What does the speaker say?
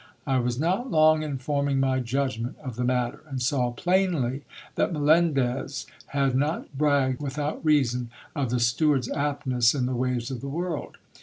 I was not long in forming my judgment of the j matter, and saw plainly that Melendez had not bragged without reason of the ; steward's aptness in the ways of the world.